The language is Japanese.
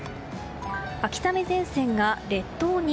秋雨前線が列島に。